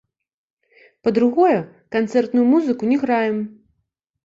Па-другое, канцэртную музыку не граем.